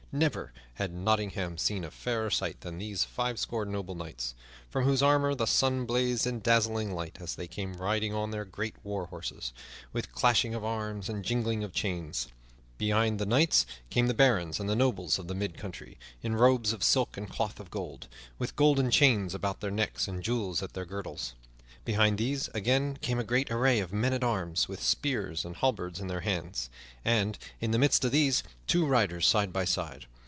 Never had Nottingham seen a fairer sight than those fivescore noble knights, from whose armor the sun blazed in dazzling light as they came riding on their great war horses, with clashing of arms and jingling of chains. Behind the knights came the barons and the nobles of the mid country, in robes of silk and cloth of gold, with golden chains about their necks and jewels at their girdles. Behind these again came a great array of men at arms, with spears and halberds in their hands, and, in the midst of these, two riders side by side.